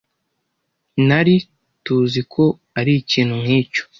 Nari TUZI ko arikintu nkicyo.